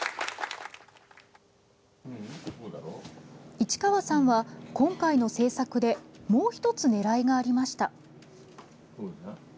市川さんは、今回の制作でもう１つ狙いがありました。